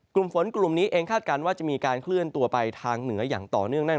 กลุ่มฝนกลุ่มนี้เองคาดการณ์ว่าจะมีการเคลื่อนตัวไปทางเหนืออย่างต่อเนื่องนั่น